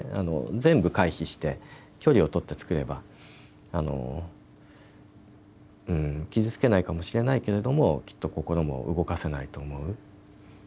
全部回避して距離を取って作れば傷つけないかもしれないけれどもきっと心も動かせないと思う。